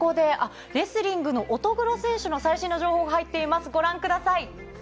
ここでレスリングの乙黒選手の最新の情報が入っています。